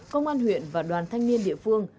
công an huyện và đoàn thanh niên địa phương